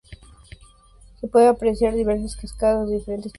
Se pueden apreciar diversas cascadas de diferentes tamaños y con agua cristalina.